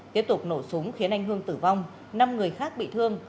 tiếp tục nổ súng khiến anh hương tử vong năm người khác bị thương